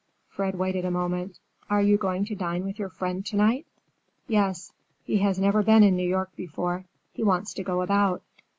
Fred waited a moment. "Are you going to dine with your friend to night?" "Yes. He has never been in New York before. He wants to go about.